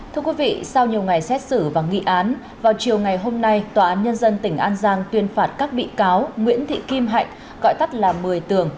thưa quý vị sau nhiều ngày xét xử và nghị án vào chiều ngày hôm nay tòa án nhân dân tỉnh an giang tuyên phạt các bị cáo nguyễn thị kim hạnh gọi tắt là mười tường